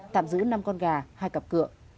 tạm giữ năm con gà hai cặp cựa